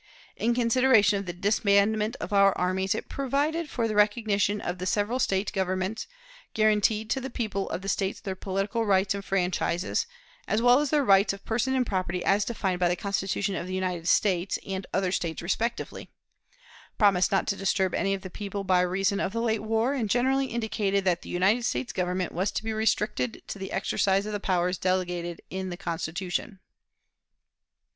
In consideration of the disbandment of our armies it provided for the recognition of the several State governments, guaranteed to the people of the States their political rights and franchises, as well as their rights of person and property as defined by the Constitution of the United States and other States respectively; promised not to disturb any of the people by reason of the late war, and generally indicated that the United States Government was to be restricted to the exercise of the powers delegated in the Constitution.